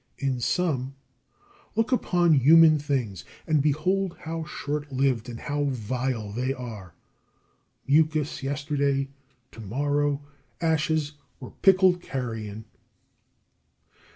In sum, look upon human things, and behold how short lived and how vile they are; mucus yesterday, tomorrow ashes or pickled carrion.